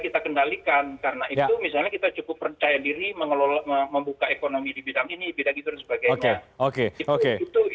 karena itu misalnya kita cukup percaya diri membuka ekonomi di bidang ini bidang itu dan sebagainya